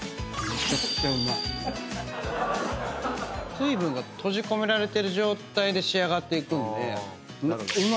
水分が閉じ込められてる状態で仕上がっていくんで。